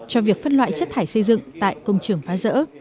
cho việc phân loại chất thải xây dựng tại công trường phá rỡ